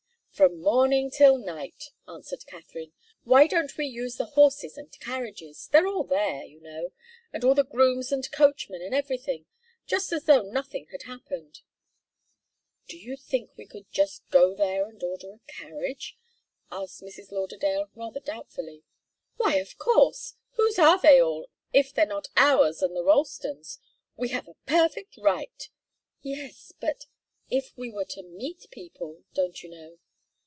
"From morning till night," answered Katharine; "why don't we use the horses and carriages? They're all there, you know, and all the grooms and coachmen and everything, just as though nothing had happened." "Do you think we could just go there and order a carriage?" asked Mrs. Lauderdale, rather doubtfully. "Why, of course! Whose are they all, if they're not ours and the Ralstons'? We have a perfect right " "Yes but if we were to meet people don't you know?"